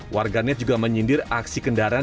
warganet juga menyindir aksi kendaraan